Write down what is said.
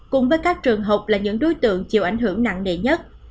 cùng với các trường học là những đối tượng chịu ảnh hưởng nặng nề nhất